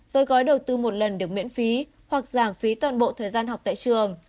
với gói đầu tư một lần được miễn phí hoặc giảm phí toàn bộ thời gian học tại trường